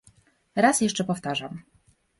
Raz jeszcze powtarzam